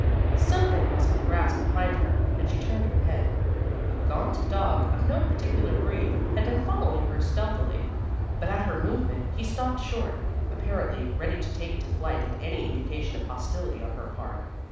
Something rustled the grass behind her, and she turned her head. A gaunt dog, of no particular breed, had been following her stealthily, but at her movement he stopped short, apparently ready to take to flight at any indication of hostility on her part.